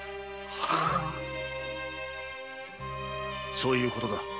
そういうことだ。